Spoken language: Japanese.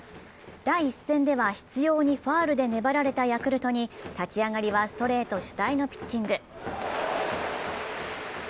第１戦では執ようにファウルで粘られたヤクルトに立ち上がりはストレート主体のピッチング。